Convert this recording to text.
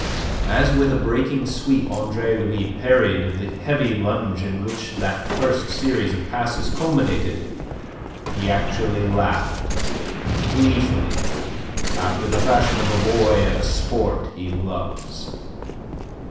As with a breaking sweep Andre Louis parried the heavy lunge in which that first series of passes culminated, he actually laughed gleefully, after the fashion of a boy at a sport he loves.